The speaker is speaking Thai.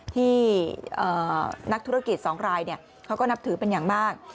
ที่นักธุรกิจ๒รายเขาก็นับถือเป็นอย่างมาก